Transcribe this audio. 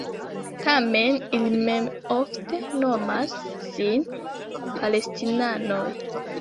Tamen, ili mem ofte nomas sin Palestinanoj.